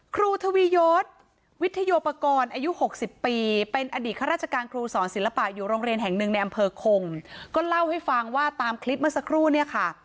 ทวียศวิทโยปกรณ์อายุ๖๐ปีเป็นอดีตข้าราชการครูสอนศิลปะอยู่โรงเรียนแห่งหนึ่งในอำเภอคงก็เล่าให้ฟังว่าตามคลิปเมื่อสักครู่เนี่ยค่ะ